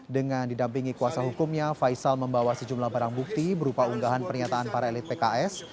dengan didampingi kuasa hukumnya faisal membawa sejumlah barang bukti berupa unggahan pernyataan para elit pks